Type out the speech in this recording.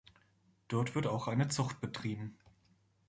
Dort wird auch eine Zucht betrieben.